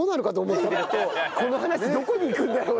この話どこにいくんだろう？